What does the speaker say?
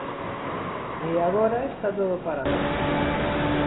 E agora está todo parado.